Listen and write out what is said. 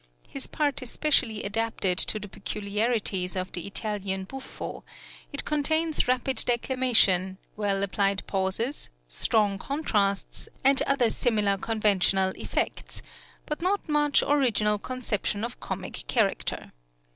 His part is specially adapted to the peculiarities of the Italian buffo; it contains rapid declamation, well applied pauses, strong contrasts, and other similar conventional effects; but not much original conception of {THE FIRST OPERA IN VIENNA.} (80) comic character.